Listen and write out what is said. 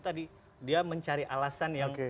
tadi dia mencari alasan yang